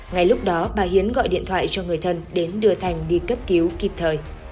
ngay lúc đó bà hiến gọi điện thoại cho người thân đến đưa thành đi cấp cứu kịp thời